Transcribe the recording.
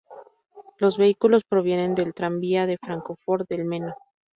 Los vehículos provienen del tranvía de Fráncfort del Meno.